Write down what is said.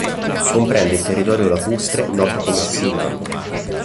Comprende il territorio lacustre noto come Seeland.